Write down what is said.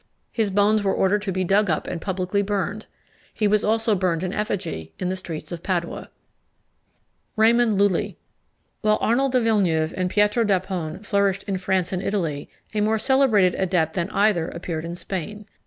His bones were ordered to be dug up and publicly burned. He was also burned in effigy in the streets of Padua. RAYMOND LULLI. [Illustration: RAYMOND LULLI.] While Arnold de Villeneuve and Pietro d'Apone flourished in France and Italy, a more celebrated adept than either appeared in Spain.